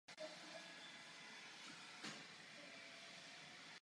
Je správním městem stejnojmenného okresu.